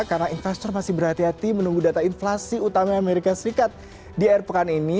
karena investor masih berhati hati menunggu data inflasi utama amerika serikat di air pekan ini